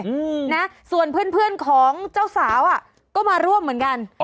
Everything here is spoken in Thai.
อืมนะส่วนเพื่อนเพื่อนของเจ้าสาวอ่ะก็มาร่วมเหมือนกัน